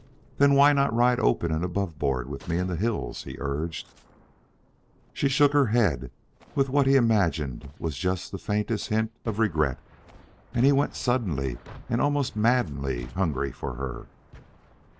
"Then why not ride open and aboveboard with me in the hills?" he urged. She shook her head with what he imagined was just the faintest hint of regret, and he went suddenly and almost maddeningly hungry for her.